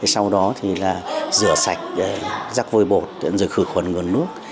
sau đó thì rửa sạch rác vôi bột rửa khử khuẩn nguồn nước